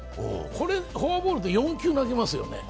これフォアボールって４球投げますよね。